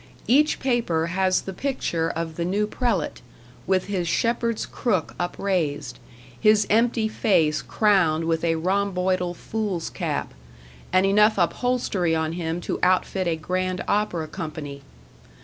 Each paper has the picture of the new prelate, with his shepherd's crook upraised, his empty face crowned with a rhomboidal fool's cap, and enough upholstery on him to outfit a grand opera company.